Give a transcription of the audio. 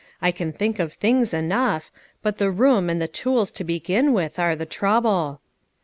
I can think of things enough ; but the room, and the tools to begin with, are the trouble."